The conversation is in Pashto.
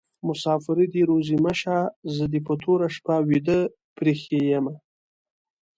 مسافري دي روزي مشه: زه دي په توره شپه ويده پریښي يمه